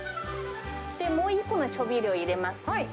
もう１個の調味料を入れます。